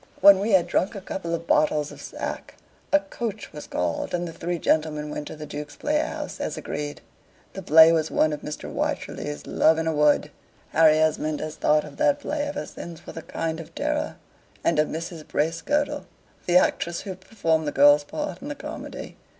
When we had drunk a couple of bottles of sack, a coach was called, and the three gentlemen went to the Duke's Playhouse, as agreed. The play was one of Mr. Wycherley's "Love in a Wood." Harry Esmond has thought of that play ever since with a kind of terror, and of Mrs. Bracegirdle, the actress who performed the girl's part in the comedy.